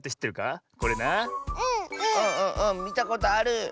みたことある！